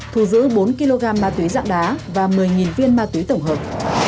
thu giữ bốn kg ma túy dạng đá và một mươi viên ma túy tổng hợp